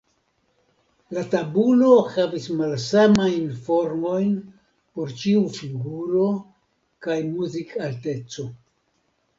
La tabulo havis malsamajn formojn por ĉiu figuro kaj muzikalteco.